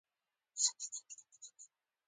هماغه سړي چيغه کړه!